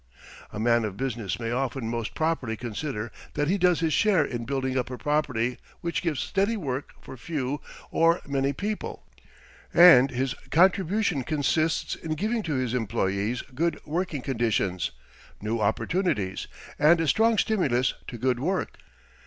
A man of business may often most properly consider that he does his share in building up a property which gives steady work for few or many people; and his contribution consists in giving to his employees good working conditions, new opportunities, and a strong stimulus to good work.